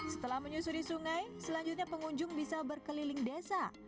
setelah menyusuri sungai selanjutnya pengunjung bisa berkeliling desa